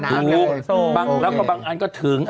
ดูประสบบางอย่างก็ถึง